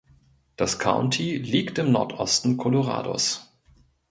Das County liegt im Nordosten Colorados.